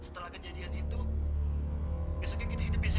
tante punya keterbatasan